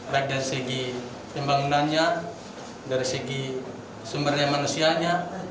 baik dari segi pembangunannya dari segi sumbernya manusianya